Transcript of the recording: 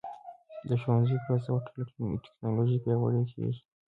د ښوونې پروسه په ټکنالوژۍ پیاوړې کیږي.